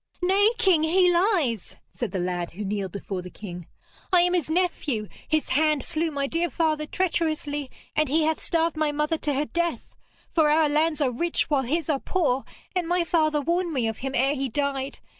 'Nay, king, he lies!' said the lad who kneeled before the king. 'I am his nephew. His hand slew my dear father treacherously, and he hath starved my mother to her death. For our lands are rich while his are poor, and my father warned me of him ere he died.